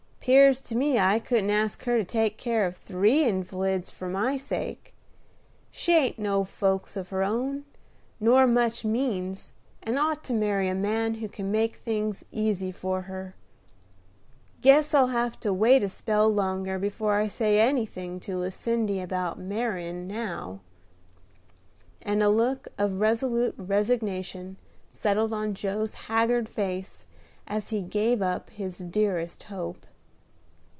'Pears to me I couldn't ask her to take care of three invalids for my sake. She ain't no folks of her own, nor much means, and ought to marry a man who can make things easy for her. Guess I'll have to wait a spell longer before I say anything to Lucindy about marryin' now;" and a look of resolute resignation settled on Joe's haggard face as he gave up his dearest hope.